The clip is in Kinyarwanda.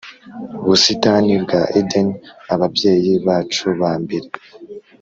busitani bwa Edeni Ababyeyi bacu ba mbere